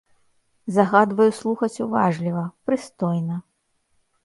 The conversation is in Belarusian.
Загадваю слухаць уважліва, прыстойна!